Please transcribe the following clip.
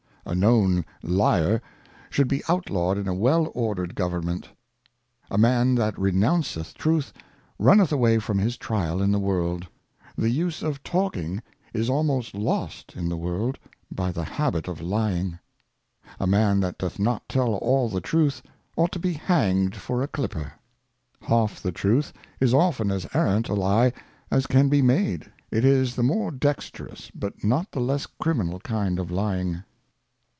A known Lyar should be outlawed in a well ordered Govern ment. A Man that renounceth Truth, runneth away from his trial in the World. The use of Talking is almost lost in the World by the habit of Lying. A Man that doth not tell all the Truth, ought to be hanged for a Clipper. Half the Truth is often as arrant a Lye, as can be made. It is the more dexterous, but not the less criminal kind of Lying.